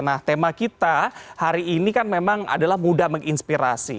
karena kita hari ini kan memang adalah muda menginspirasi